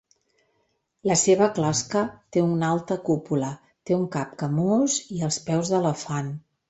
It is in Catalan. La seva closca té una alta cúpula, té un cap camús, i els peus d'elefant.